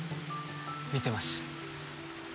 見てます。